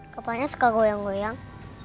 kepalanya suka goyang goyang